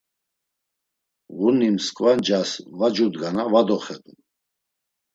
Ğuni mskva ncas va cudgana va doxedun.